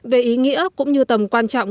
về ý nghĩa cũng như tầm quan trọng